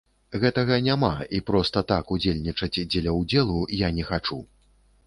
Гэтага няма, і проста так удзельнічаць дзеля ўдзелу я не хачу.